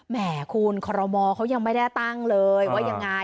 แหมคุณคอรมอลเขายังไม่ได้ตั้งเลยว่ายังไง